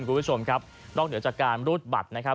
ผู้ชมครับนอกเหนือจากการรูดบัตร